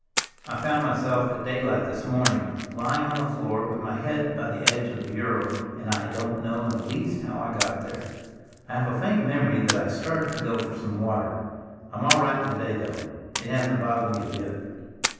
I found myself at daylight this morning lying on the floor with my head by the edge of the bureau, and I don't know in the least how I got there. I have a faint memory that I started to go for some water. I'm all right to day, though; it hasn't bothered me a bit."